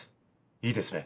いいですね？